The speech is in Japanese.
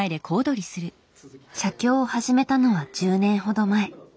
写経を始めたのは１０年ほど前。